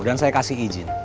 dan saya kasih izin